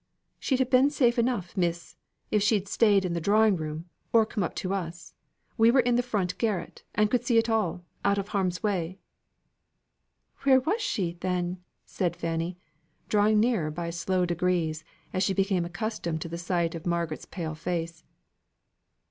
"She'd have been safe enough, miss, if she'd stayed in the drawing room, or come up to us; we were in the front garret, and could see it all, out of harm's way." "Where was she then?" said Fanny, drawing nearer by slow degrees, as she became accustomed to the sight of Margaret's pale face.